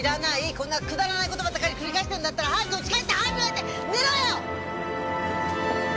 こんなくだらない事ばかり繰り返してるんだったら早く家帰って歯磨いて寝ろよ！